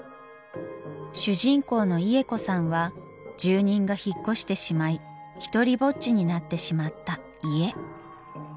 主人公のイエコさんは住人が引っ越してしまいひとりぼっちになってしまった家。